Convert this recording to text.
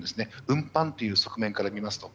運搬という側面からすると。